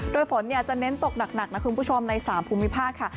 โดยฝนจะเน้นตกหนักนะคุณผู้ชมใน๓ภูมิภาคค่ะ